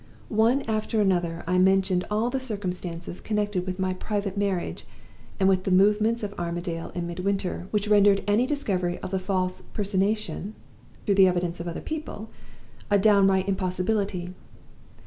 One after another I mentioned all the circumstances connected with my private marriage, and with the movements of Armadale and Midwinter, which rendered any discovery of the false personation (through the evidence of other people) a downright impossibility.